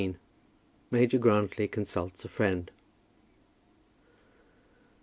MAJOR GRANTLY CONSULTS A FRIEND.